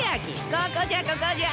ここじゃここじゃ。